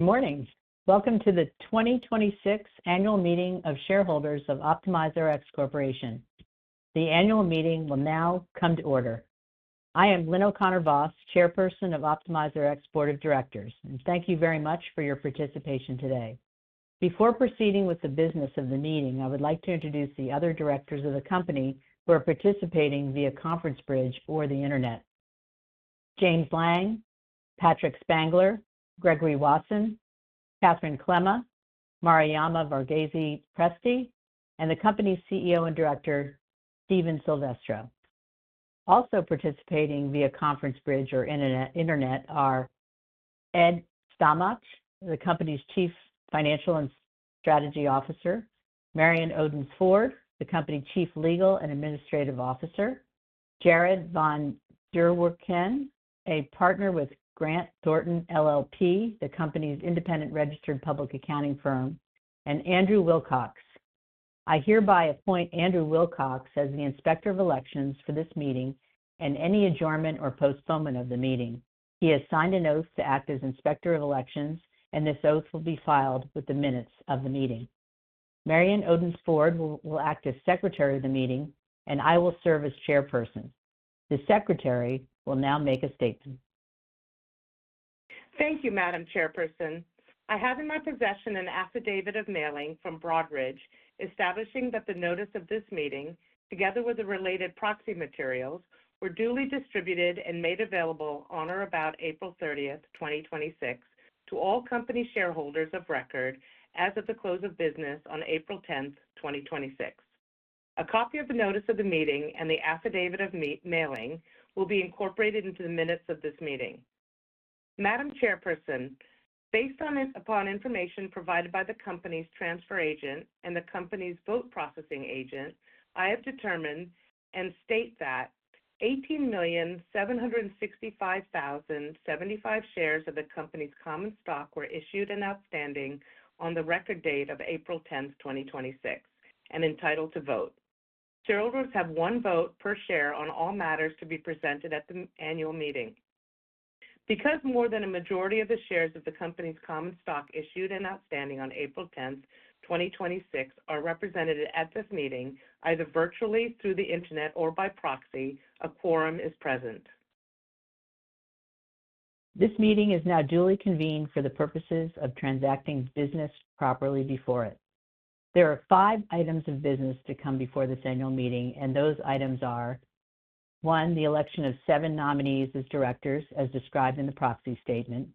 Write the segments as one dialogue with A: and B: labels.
A: Good morning. Welcome to the 2026 Annual Meeting of Shareholders of OptimizeRx Corporation. The annual meeting will now come to order. I am Lynn O'Connor Vos, Chairperson of OptimizeRx Board of Directors, and thank you very much for your participation today. Before proceeding with the business of the meeting, I would like to introduce the other directors of the company who are participating via conference bridge or the internet. James Lang, Patrick Spangler, Gregory Wasson, Catherine Klema, Mary Varghese Presti, and the company's CEO and director, Steven Silvestro. Also participating via conference bridge or internet are Ed Stelmakh, the company's Chief Financial and Strategic Officer. Marion Odence-Ford, the company Chief Legal and Administrative Officer. Jared von der Auhe, a partner with Grant Thornton LLP, the company's independent registered public accounting firm, and Andrew Wilcox. I hereby appoint Andrew Wilcox as the Inspector of Elections for this meeting and any adjournment or postponement of the meeting. He has signed an oath to act as Inspector of Elections, and this oath will be filed with the minutes of the meeting. Marion Odence-Ford will act as Secretary of the meeting, and I will serve as Chairperson. The Secretary will now make a statement.
B: Thank you, Madam Chairperson. I have in my possession an affidavit of mailing from Broadridge establishing that the notice of this meeting, together with the related proxy materials, were duly distributed and made available on or about April 30th, 2026, to all company shareholders of record as of the close of business on April 10th, 2026. A copy of the notice of the meeting and the affidavit of mailing will be incorporated into the minutes of this meeting. Madam Chairperson, based upon information provided by the company's transfer agent and the company's vote processing agent, I have determined and state that 18,765,075 shares of the company's common stock were issued and outstanding on the record date of April 10th, 2026, and entitled to vote. Shareholders have one vote per share on all matters to be presented at the annual meeting. Because more than a majority of the shares of the company's common stock issued and outstanding on April 10th, 2026 are represented at this meeting, either virtually through the internet or by proxy, a quorum is present.
A: This meeting is now duly convened for the purposes of transacting business properly before it. There are five items of business to come before this annual meeting, and those items are, one, the election of seven nominees as directors as described in the proxy statement.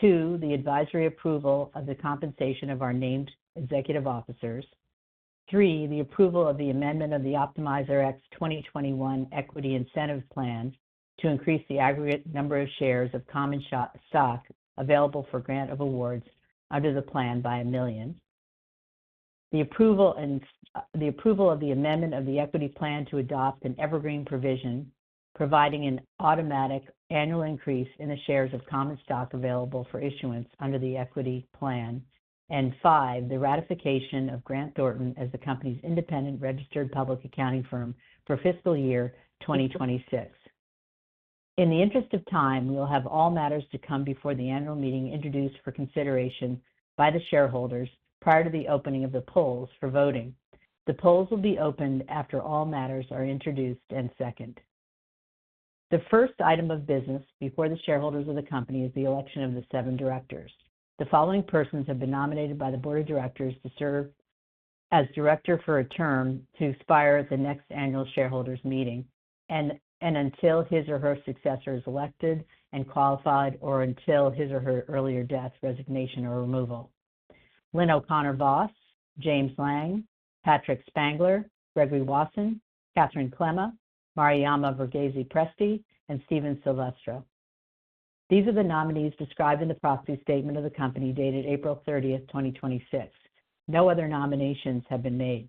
A: Two, the advisory approval of the compensation of our named executive officers. Three, the approval of the amendment of the OptimizeRx 2021 Equity Incentive Plan to increase the aggregate number of shares of common stock available for grant of awards under the plan by $1 million. The approval of the amendment of the equity plan to adopt an evergreen provision, providing an automatic annual increase in the shares of common stock available for issuance under the equity plan. Five, the ratification of Grant Thornton as the company's independent registered public accounting firm for fiscal year 2026. In the interest of time, we will have all matters to come before the annual meeting introduced for consideration by the shareholders prior to the opening of the polls for voting. The polls will be opened after all matters are introduced and second. The first item of business before the shareholders of the company is the election of the seven directors. The following persons have been nominated by the board of directors to serve as director for a term to expire at the next annual shareholders' meeting and until his or her successor is elected and qualified or until his or her earlier death, resignation, or removal. Lynn O'Connor Vos, James Lang, Patrick Spangler, Gregory Wasson, Catherine Klema, Mary Varghese Presti, and Steve Silvestro. These are the nominees described in the proxy statement of the company dated April 30th, 2026. No other nominations have been made.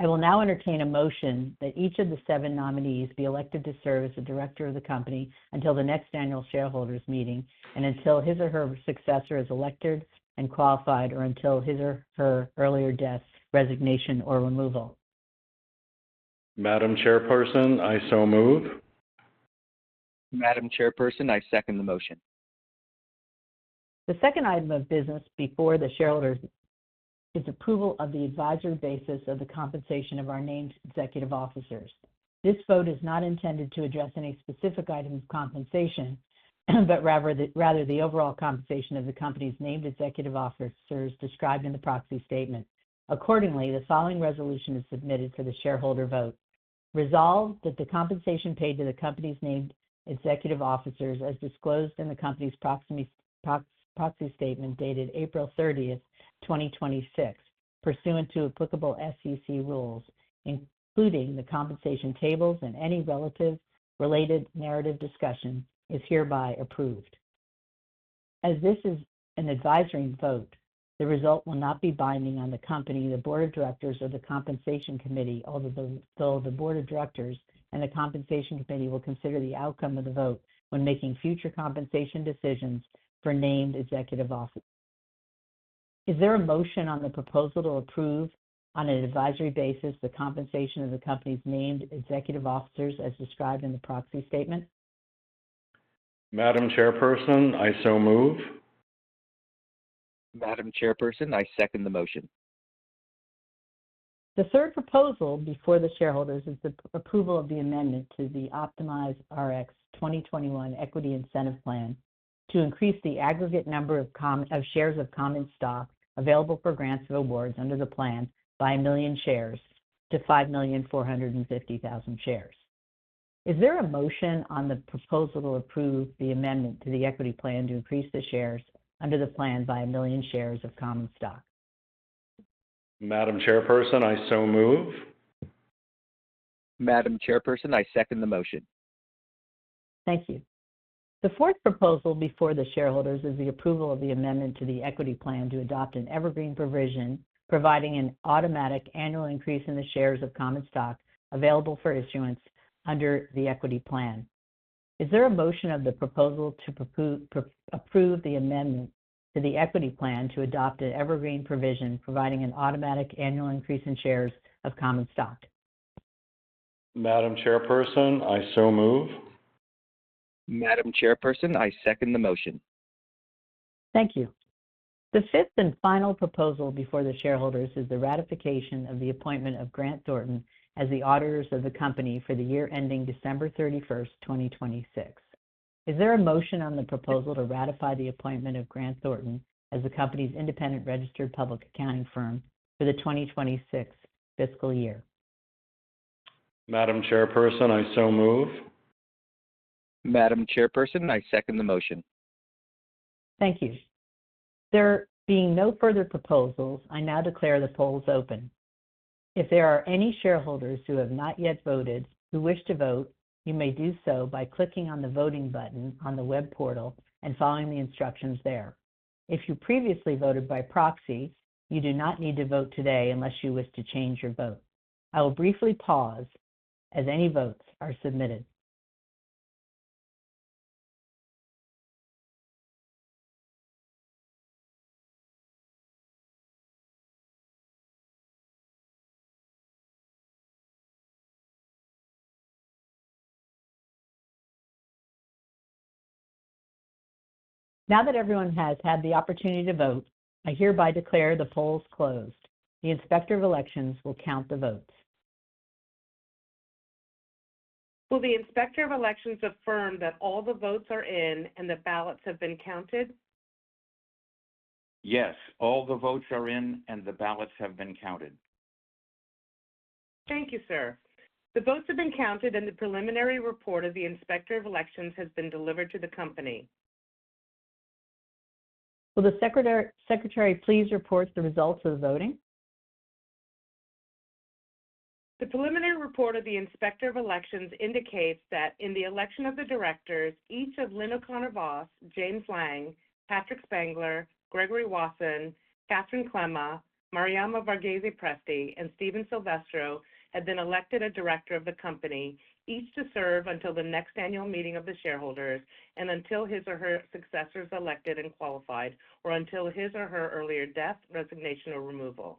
A: I will now entertain a motion that each of the seven nominees be elected to serve as a director of the company until the next annual shareholders' meeting and until his or her successor is elected and qualified or until his or her earlier death, resignation, or removal.
B: Madam Chairperson, I so move. Madam Chairperson, I second the motion.
A: The second item of business before the shareholders is approval of the advisory basis of the compensation of our named executive officers. This vote is not intended to address any specific item of compensation, but rather the overall compensation of the company's named executive officers described in the proxy statement. Accordingly, the following resolution is submitted for the shareholder vote. Resolved that the compensation paid to the company's named executive officers, as disclosed in the company's proxy statement dated April 30th, 2026, pursuant to applicable SEC rules, including the compensation tables and any relative related narrative discussion, is hereby approved. This is an advisory vote, the result will not be binding on the company, the board of directors, or the compensation committee, although the board of directors and the compensation committee will consider the outcome of the vote when making future compensation decisions for named executive officers. Is there a motion on the proposal to approve on an advisory basis the compensation of the company's named executive officers as described in the proxy statement?
B: Madam Chairperson, I so move. Madam Chairperson, I second the motion.
A: The third proposal before the shareholders is the approval of the amendment to the OptimizeRx Corporation 2021 Equity Incentive Plan to increase the aggregate number of shares of common stock available for grants of awards under the plan by 1 million shares to 5,450,000 shares. Is there a motion on the proposal to approve the amendment to the equity plan to increase the shares under the plan by 1 million shares of common stock?
B: Madam Chairperson, I so move. Madam Chairperson, I second the motion.
A: Thank you. The fourth proposal before the shareholders is the approval of the amendment to the equity plan to adopt an evergreen provision providing an automatic annual increase in the shares of common stock available for issuance under the equity plan. Is there a motion of the proposal to approve the amendment to the equity plan to adopt an evergreen provision providing an automatic annual increase in shares of common stock?
B: Madam Chairperson, I so move. Madam Chairperson, I second the motion.
A: Thank you. The fifth and final proposal before the shareholders is the ratification of the appointment of Grant Thornton as the auditors of the company for the year ending December 31st, 2026. Is there a motion on the proposal to ratify the appointment of Grant Thornton as the company's independent registered public accounting firm for the 2026 fiscal year?
B: Madam Chairperson, I so move. Madam Chairperson, I second the motion.
A: Thank you. There being no further proposals, I now declare the polls open. If there are any shareholders who have not yet voted who wish to vote, you may do so by clicking on the voting button on the web portal and following the instructions there. If you previously voted by proxy, you do not need to vote today unless you wish to change your vote. I will briefly pause as any votes are submitted. Now that everyone has had the opportunity to vote, I hereby declare the polls closed. The Inspector of Elections will count the votes.
B: Will the Inspector of Elections affirm that all the votes are in and the ballots have been counted?
C: Yes, all the votes are in and the ballots have been counted.
B: Thank you, sir. The votes have been counted and the preliminary report of the Inspector of Elections has been delivered to the company.
A: Will the Secretary please report the results of the voting?
B: The preliminary report of the Inspector of Elections indicates that in the election of the directors, each of Lynn O'Connor Vos, James Lang, Patrick Spangler, Gregory Wasson, Catherine Klema, Mary Varghese Presti, and Steven Silvestro have been elected a director of the company, each to serve until the next annual meeting of the shareholders and until his or her successor is elected and qualified, or until his or her earlier death, resignation, or removal.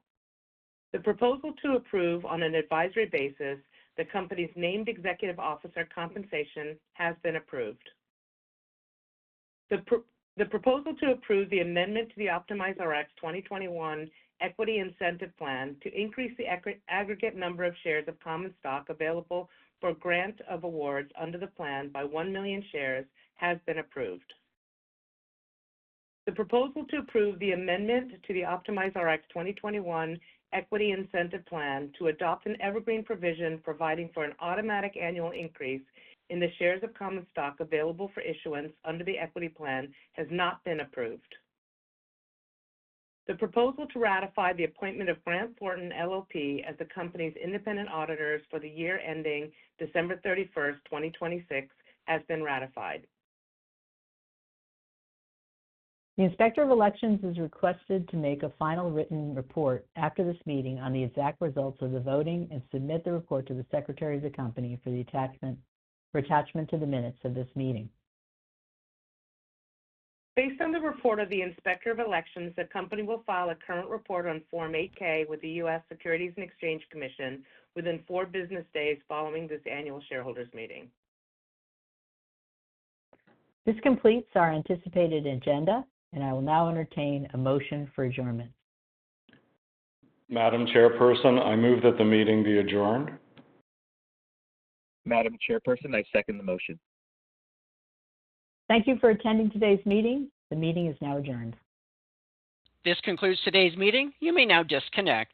B: The proposal to approve, on an advisory basis, the company's named executive officer compensation has been approved. The proposal to approve the amendment to the OptimizeRx 2021 Equity Incentive Plan to increase the aggregate number of shares of common stock available for grant of awards under the plan by one million shares has been approved. The proposal to approve the amendment to the OptimizeRx 2021 Equity Incentive Plan to adopt an evergreen provision providing for an automatic annual increase in the shares of common stock available for issuance under the equity plan has not been approved. The proposal to ratify the appointment of Grant Thornton LLP as the company's independent auditors for the year ending December 31st, 2026, has been ratified.
A: The Inspector of Elections is requested to make a final written report after this meeting on the exact results of the voting and submit the report to the Secretary of the company for attachment to the minutes of this meeting.
B: Based on the report of the Inspector of Elections, the company will file a current report on Form 8-K with the U.S. Securities and Exchange Commission within four business days following this annual shareholders' meeting.
A: This completes our anticipated agenda, and I will now entertain a motion for adjournment.
B: Madam Chairperson, I move that the meeting be adjourned. Madam Chairperson, I second the motion.
A: Thank you for attending today's meeting. The meeting is now adjourned.
B: This concludes today's meeting. You may now disconnect.